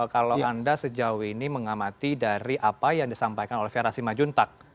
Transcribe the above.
kalau anda sejauh ini mengamati dari apa yang disampaikan oleh vr asim majuntak